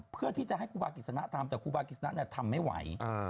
เพื่อที่จะให้ครูบากิจสนะทำแต่ครูบากิจนะทำไม่ไหว